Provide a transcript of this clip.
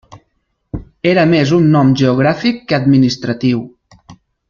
Era més un nom geogràfic que administratiu.